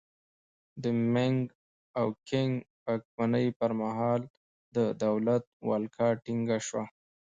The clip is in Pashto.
د مینګ او کینګ واکمنۍ پرمهال د دولت ولکه ټینګه شوه.